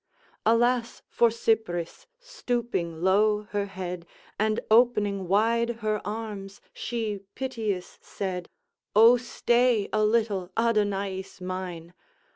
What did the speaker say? Alas for Cypris! Stooping low her head, And opening wide her arms, she piteous said, "O stay a little, Adonaïs mine!